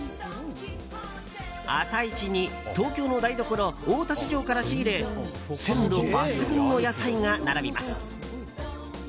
朝一に東京の台所大田市場から仕入れ鮮度抜群の野菜が並びます。